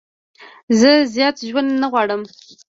زه زیات ژوند نه غواړم.